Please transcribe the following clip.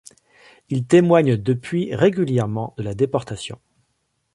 Il témoigne depuis régulièrement de la déportation.